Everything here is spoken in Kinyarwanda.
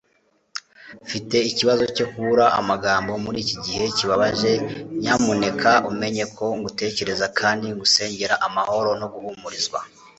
mfite ikibazo cyo kubura amagambo muri iki gihe kibabaje nyamuneka umenye ko ngutekereza kandi ngusengera amahoro no guhumurizwa